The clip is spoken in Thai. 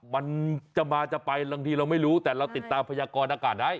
มันจะมาจะไปบางทีเราไม่รู้แต่เราติดตามพยากรอากาศได้